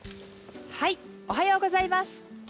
おはようございます。